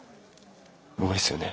うまいっすよね。